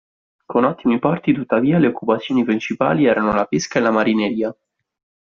Con ottimi porti, tuttavia, le occupazioni principali erano la pesca e la marineria.